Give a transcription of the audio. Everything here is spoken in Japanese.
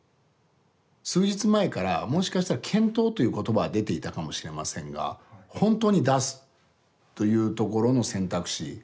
数日前からもしかしたら検討という言葉は出ていたかもしれませんが本当に出すというところの選択肢